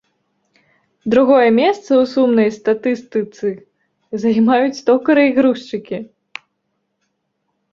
Другое месца ў сумнай статыстыцы займаюць токары і грузчыкі.